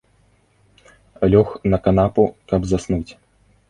Лёг на канапу, каб заснуць.